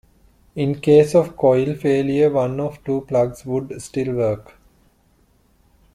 In case of a coil failure one of two plugs would still work.